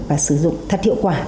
và sử dụng thật hiệu quả